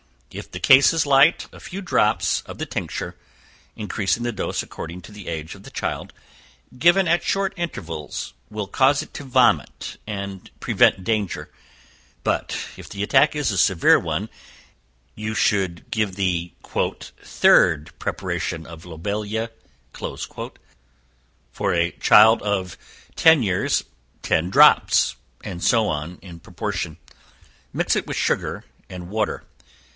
If the case is light, a few drops of the tincture, increasing the dose according to the age of the child, given at short intervals, will cause it to vomit and prevent danger; but if the attack is a severe one, you should give the "third preparation of lobelia;" for a child of ten years, ten drops, and so on in proportion; mix it with sugar and water.